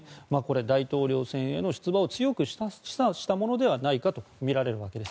大統領選挙への出馬を強く示唆したものではないかとみられるわけです。